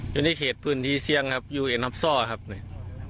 ยังจะเห็นพื้นที่เสียงครับอยู่เองอาซ่อครับเนี่ย